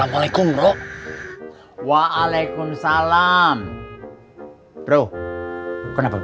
tidak ada apa apa